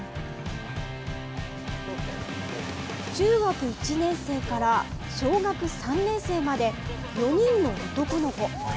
中学１年生から小学３年生まで、４人の男の子。